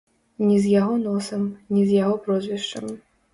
Не з яго носам, не з яго прозвішчам.